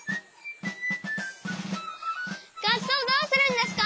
がっそうどうするんですか？